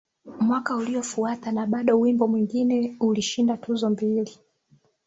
Mwaka uliofuata na bado wimbo mwingine ulishinda tuzo mbili